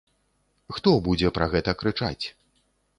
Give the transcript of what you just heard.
Хто будзе пра гэта крычаць?